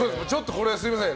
これはすみません